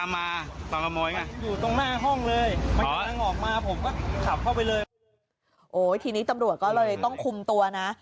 มาผมก็ขับเข้าไปเลยโอ้ยทีนี้ตำรวจก็เลยต้องคุมตัวน่ะ